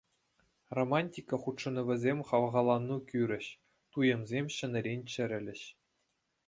Романтика хутшӑнӑвӗсем хавхалану кӳрӗҫ, туйӑмсем ҫӗнӗрен чӗрӗлӗҫ.